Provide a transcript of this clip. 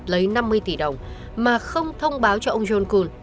lấy năm mươi tỷ đồng mà không thông báo cho ông john kun